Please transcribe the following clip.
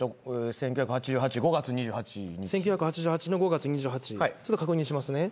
１９８８の５月２８ちょっと確認しますね。